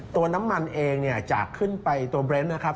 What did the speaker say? ตัวน้ำมันเองเนี่ยจากขึ้นไปตัวเบรนด์นะครับ